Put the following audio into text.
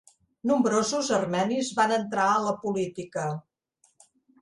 Nombrosos armenis van entrar a la política.